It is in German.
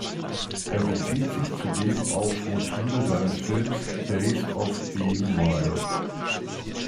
Er bezieht sich zudem auf Motive seines Films "Days of Being Wild".